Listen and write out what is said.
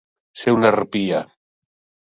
Ser una harpia.